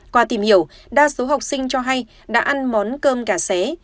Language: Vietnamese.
qua tìm hiểu đa số học sinh cho hay đã ăn món cơm gà xé